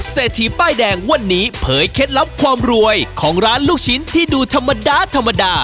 เศรษฐีป้ายแดงวันนี้เผยเคล็ดลับความรวยของร้านลูกชิ้นที่ดูธรรมดาธรรมดา